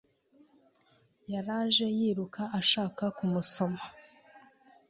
Yaraje yiruka ashaka ku musoma